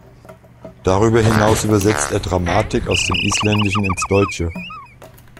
Darüber hinaus übersetzt er Dramatik aus dem Isländischen ins Deutsche.